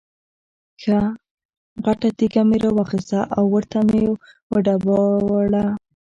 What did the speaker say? ښه غټه تیږه مې را واخسته او ورته مې یې وډباړه.